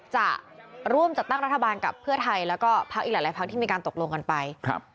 จะร่วมจัดตั้งรัฐบาลกับเพื่อไทยแล้วก็พักอีกหลายพักที่มีการตกลงกันไป